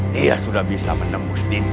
dia sudah bisa menemus dinding